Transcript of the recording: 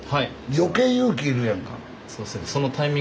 余計勇気要るやんか。